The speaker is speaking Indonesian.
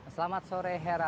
selamat sore hera